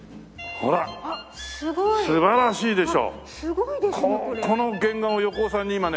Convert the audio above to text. これ素晴らしいでしょ？